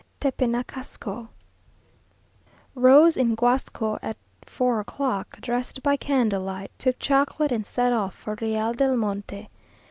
TEPENACASCO. Rose in Guasco at tour o'clock; dressed by candle light, took chocolate, and set off for Real del Monte.